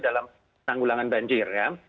dalam ulangan banjir